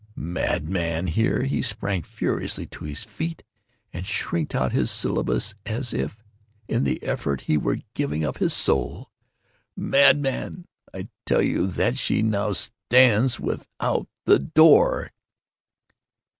Madman!"—here he sprang furiously to his feet, and shrieked out his syllables, as if in the effort he were giving up his soul—"_Madman! I tell you that she now stands without the door!